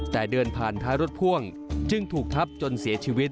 แต่เดินผ่านท้ายรถพ่วงจึงถูกทับจนเสียชีวิต